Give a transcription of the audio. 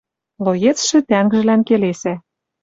Млоецшӹ тӓнгжӹлӓн келесӓ: